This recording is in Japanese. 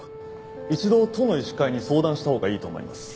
一度都の医師会に相談したほうがいいと思います。